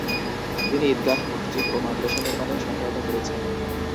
তিনি ঈদগাহ, মসজিদ ও মাদ্রাসা নির্মাণেও সহায়তা করেছেন।